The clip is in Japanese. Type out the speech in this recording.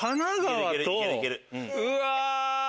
うわ！